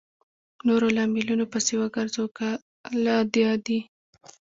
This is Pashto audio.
نورو لاملونو پسې وګرځو او کله د عادي